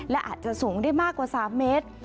และอาจจะสูงได้มากกว่า๓เมตร